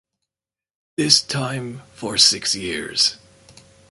This time for six years.